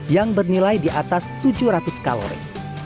yang bernilai di atas tujuh ratus kalori